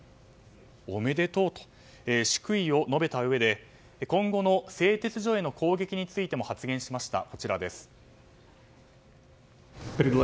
おめでとうと祝意を述べたうえで今後の製鉄所への攻撃についても発言しました。